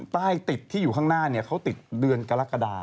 ติดที่อยู่ข้างหน้าเขาติดเดือนกรกฎา